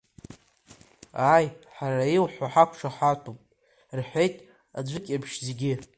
Ааи, ҳара иуҳәо ҳақәшаҳаҭуп, — рҳәеит аӡәк еиԥш зегьы.